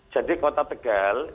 jadi kota tegal